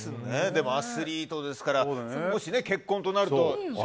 でもアスリートですからもし結婚となると。